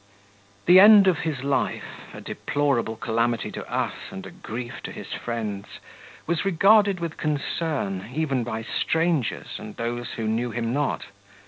43 The end of his life, a deplorable calamity to us and a grief to his friends, was regarded with concern even by strangers and those who knew him not.